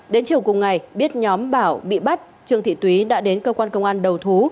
đến chiều cùng ngày biết nhóm bảo bị bắt trương thị túy đã đến cơ quan công an đầu thú